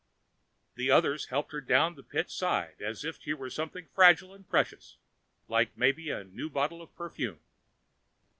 The others helped her down the pit side as if she were something fragile and precious, like maybe a new bottle of perfume.